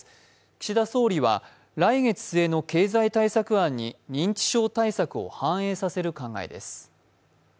岸田総理は来月末の経済対策案に認知症対策を反映させる考えです。